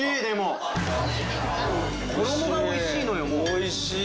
おいしい！